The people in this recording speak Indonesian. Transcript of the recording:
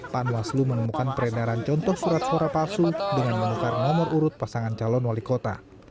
panwaslu menemukan peredaran contoh surat suara palsu dengan menukar nomor urut pasangan calon wali kota